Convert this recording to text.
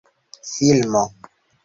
filmo